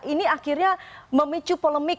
ini akhirnya memicu polemik